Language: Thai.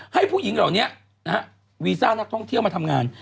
ให้ผู้หญิงเหล่านี้นะฮะวีซ่านักท่องเที่ยวมาทำงาน